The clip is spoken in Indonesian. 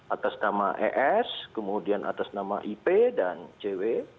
atas nama es kemudian atas nama ip dan cw